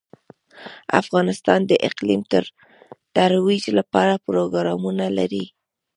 افغانستان د اقلیم د ترویج لپاره پروګرامونه لري.